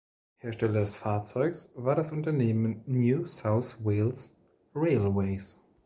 Hersteller des Fahrzeugs war das Unternehmen "New South Wales Railways".